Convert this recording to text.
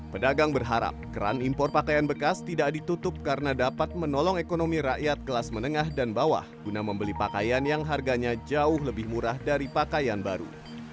pedagang berharap keran impor pakaian bekas tidak ditutup karena dapat menolong ekonomi rakyat kelas menengah dan bawah guna membeli pakaian yang harganya jauh lebih murah dari pakaian baru